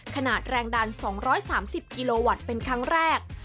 ขนาดแรงดัน๒๓๐กิโลวัตต์เป็นครั้งแรก